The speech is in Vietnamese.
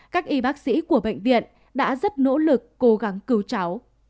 các y bác sĩ của bệnh viện đã rất nỗ lực cố gắng cứu cháu